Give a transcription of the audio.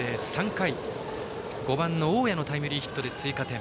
３回、５番の大矢のタイムリーヒットで追加点。